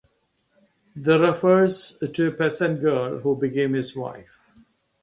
The refers to a peasant girl who became his wife.